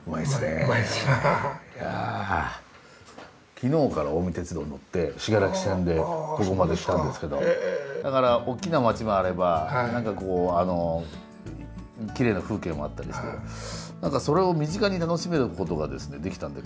昨日から近江鉄道に乗って信楽線でここまで来たんですけどだからおっきな街もあれば何かこうきれいな風景もあったりしてそれを身近に楽しめることがですねできたんで今回の旅はよかったです。